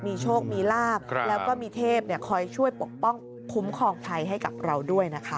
มีโชคมีลาบแล้วก็มีเทพคอยช่วยปกป้องคุ้มครองภัยให้กับเราด้วยนะคะ